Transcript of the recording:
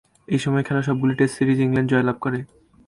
এই সময়ে খেলা সবগুলি টেস্ট সিরিজে ইংল্যান্ড জয়লাভ করে।